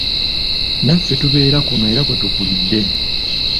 Naffe tubeera kuno era kwe tukulidde.